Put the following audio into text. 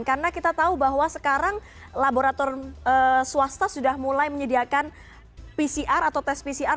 karena kita tahu bahwa sekarang laborator swasta sudah mulai menyediakan pcr atau tes pcr